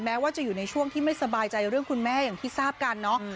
แม้ว่าจะอยู่ในช่วงที่ไม่สบายใจเรื่องคุณแม่อย่างที่ทราบกันเนาะ